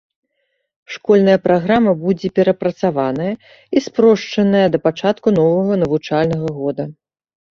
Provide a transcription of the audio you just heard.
Школьная праграма будзе перапрацаваная і спрошчаная да пачатку новага навучальнага года.